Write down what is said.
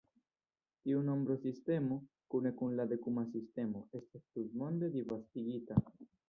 Tiu nombrosistemo, kune kun la Dekuma sistemo, estas tutmonde disvastigita.